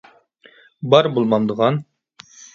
بار، بولمامدىغان.